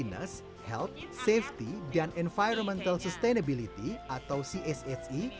yang disuruh diperlukan oleh kementerian pariwisata dan ekonomi kreatif